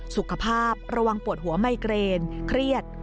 สุขภาพระวังปวดหัวไมเกรนเครียด